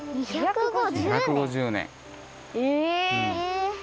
え！？